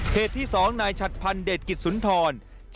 ที่๒นายฉัดพันธ์เดชกิจสุนทร